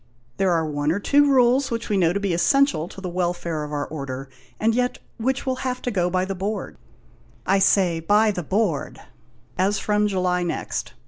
There are one or two of our rules which we know to be essential to the welfare of our Order, and yet which will have to go by the board — I say by the board — as from July next.